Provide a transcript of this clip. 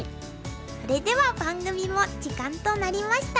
それでは番組も時間となりました。